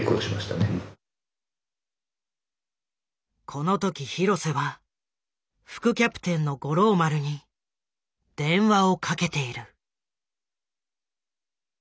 この時廣瀬は副キャプテンの五郎丸に電話をかけている。